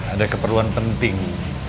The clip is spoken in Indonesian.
ada keperluan penting